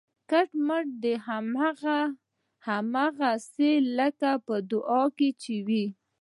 کټ مټ هماغسې لکه په دعا کې چې وي